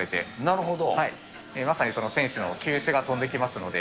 まさにその選手の球種が飛んできますので。